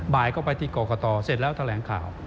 บ่ายก็ไปที่กรกตเสร็จแล้วแถลงข่าว